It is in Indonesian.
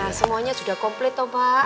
nah semuanya sudah komplit tuh pak